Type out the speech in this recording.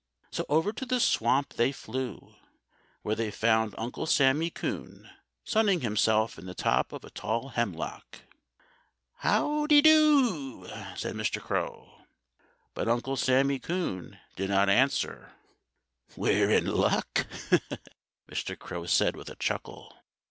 So over to the swamp they flew, where they found Uncle Sammy Coon sunning himself in the top of a tall hemlock. "How dy do!" said Mr. Crow. But Uncle Sammy Coon did not answer. "We're in luck!" Mr. Crow said with a chuckle.